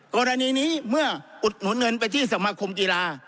กรณีนี้เมื่ออุดหนุนเงินไปที่สมาคมกีฬา